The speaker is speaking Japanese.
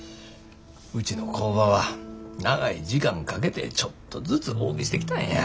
うちの工場は長い時間かけてちょっとずつ大きしてきたんや。